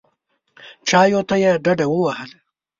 چایو ته یې ډډه ووهله.